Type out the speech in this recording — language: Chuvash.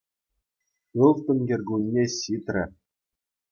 Ылтӑн кӗркунне ҫитрӗ.